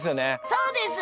そうです！